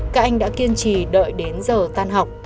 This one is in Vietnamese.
các anh đã kiên trì đợi đến giờ tan học